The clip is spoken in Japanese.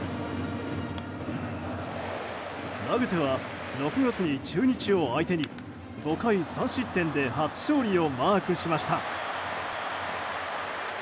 投げては６月に中日を相手に５回３失点で初勝利をマークしました。